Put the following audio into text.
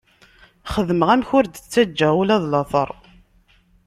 Xedmeɣ amek ur d-ttaǧǧiɣ ula d lateṛ.